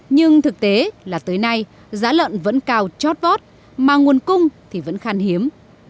nhưng thực tế là tới nay giá lợn vẫn cao chót vót mà nguồn cung thì vẫn khan hiếm